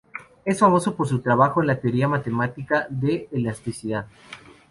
Es famoso por su trabajo en la teoría matemática de elasticidad.